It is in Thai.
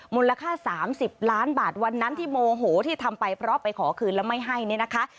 มูลค่า๓๐ล้านบาทวันนั้นที่โมโหที่ทำไปเพราะไปขอคืนแล้วไม่ให้เนี่ยนะคะ